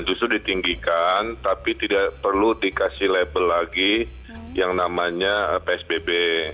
justru ditinggikan tapi tidak perlu dikasih label lagi yang namanya psbb